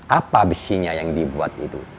apa besinya yang dibuat itu